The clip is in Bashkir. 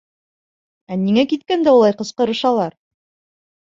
— Ә ниңә киткәндә улай ҡысҡырышалар?